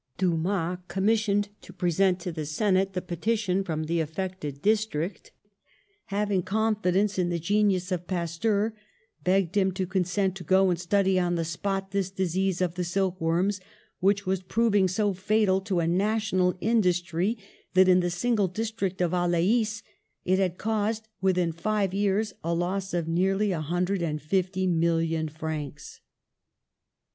Dumas, commissioned to present to the Senate the peti tion from the affected district, having confi dence in the genius of Pasteur, begged him to consent to go and study on the spot this disease of the silk worms, which was proving so fatal to a national industry that in the single district of Alais it had caused within five years a loss of nearly a hundred and fifty million francs.